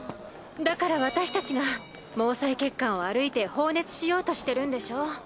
だから私たちが毛細血管を歩いて放熱しようとしてるんでしょ。